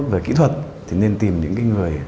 và kỹ thuật thì nên tìm những người